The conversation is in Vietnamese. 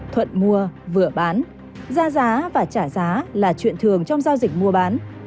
thuận mua vừa bán ra giá và trả giá là chuyện thường trong giao dịch mua bán